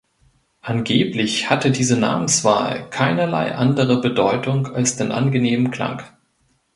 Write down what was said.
Angeblich hatte diese Namenswahl keinerlei andere Bedeutung als den angenehmen Klang.